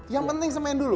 yang penting semuanya dulu